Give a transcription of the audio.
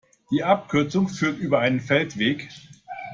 Die Abkürzung führt über einen Feldweg.